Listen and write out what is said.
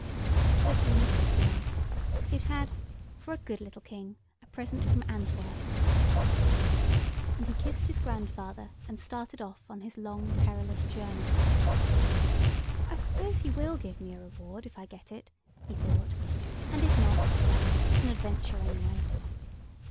So Tony took the mug. It had "For a good little King. A present from Antwerp," on it. And he kissed his grandfather, and started off on his long, perilous journey. "I suppose he will give me a reward if I get it," he thought, "and if not, well, it's an adventure, anyway."